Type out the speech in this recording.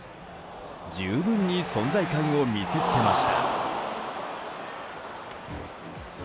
十分に存在感を見せつけました。